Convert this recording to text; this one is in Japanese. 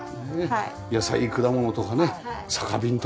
野菜果物とかね酒瓶とかね。